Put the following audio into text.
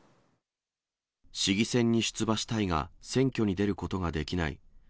市議選に出馬したいが、選挙に出ることができない。